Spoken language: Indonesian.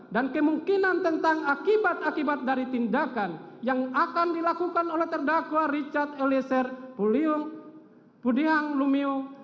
dan kemungkinan tentang akibat akibat dari tindakan yang akan dilakukan oleh terdakwa richard eliezer pudyung lumiu